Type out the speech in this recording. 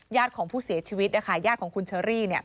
ญาติของผู้เสียชีวิตนะคะญาติของคุณเชอรี่